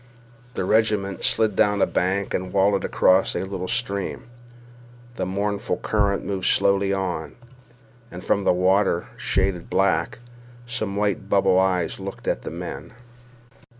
The regiment slid down a bank and wallowed across a little stream. The mournful current moved slowly on, and from the water, shaded black, some white bubble eyes looked at the men.